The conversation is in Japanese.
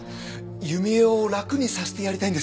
弓枝を楽にさせてやりたいんです。